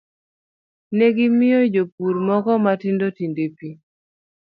Ne gimiyo jopur moko matindo tindo pi,